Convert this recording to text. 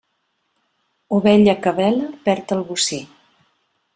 Ovella que bela perd el bocí.